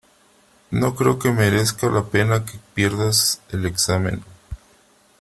no creo que merezca la pena que pierdas el examen .